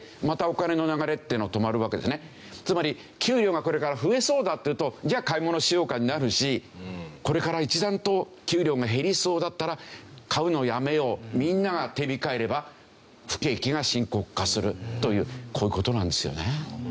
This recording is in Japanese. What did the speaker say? つまり給料がこれから増えそうだというとじゃあ買い物しようかになるしこれから一段と給料が減りそうだったら買うのをやめようみんなが手控えれば不景気が深刻化するというこういう事なんですよね。